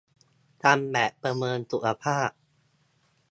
ทำแบบประเมินสุขภาพ